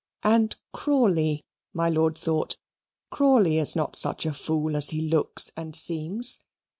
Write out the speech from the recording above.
And Crawley, my lord thought Crawley is not such a fool as he looks and seems.